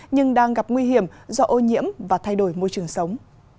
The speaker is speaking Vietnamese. nhưng đang gặp nguy hiểm do ô nhiễm và thay đổi môi trường sống